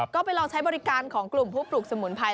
ก็ไปลองใช้บริการของกลุ่มผู้ปลูกสมุนไพร